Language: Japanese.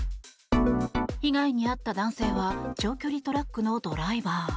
被害に遭った男性は長距離トラックのドライバー。